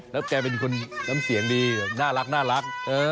แล้วแกเป็นคนน้ำเสียงดีน่ารัก